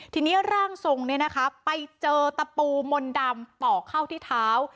ทีนี้ร่างทรงไปเจอตะปูมนต์ดำต่อเข้าที่เท้า